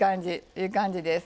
いい感じです。